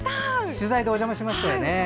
取材でお邪魔しましたね。